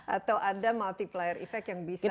atau ada multiplier effect yang bisa